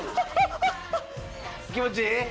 気持ちいい？